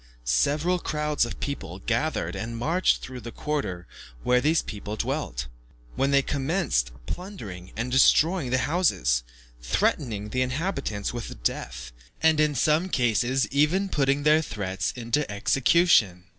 Several crowds of people gathered together and marched through the quarter where these people dwelt, when they commenced plundering and destroying the houses, threatening the inhabitants with death, and, in some cases, even putting their threats into execution.